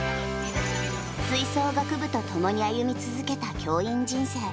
吹奏楽部と共に歩み続けた教員人生。